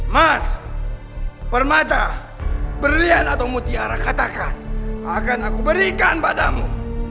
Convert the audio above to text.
mas permata brilian atau mutiara katakan akan aku berikan padamu